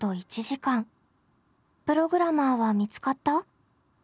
プログラマーは見つかった？